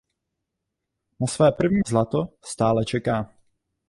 Na své první zlato stále čeká.